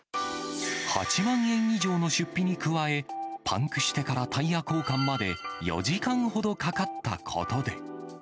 ８万円以上の出費に加え、パンクしてからタイヤ交換まで４時間ほどかかったことで。